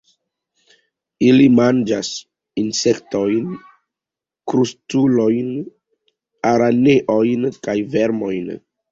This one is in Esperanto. Ili manĝas insektojn, krustulojn, araneojn kaj vermojn.